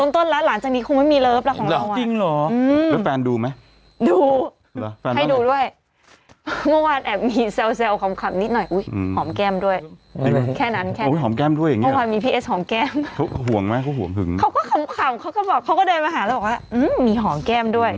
เขาก็ขำเขาก็บอกเขาก็เดินมาหาแล้วบอกว่ามีหอมแก้มด้วย